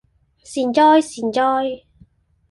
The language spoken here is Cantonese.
善哉善哉